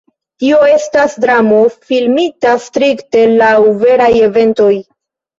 Tio estas dramo, filmita strikte laŭ veraj eventoj.